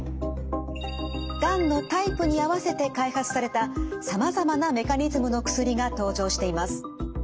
がんのタイプに合わせて開発されたさまざまなメカニズムの薬が登場しています。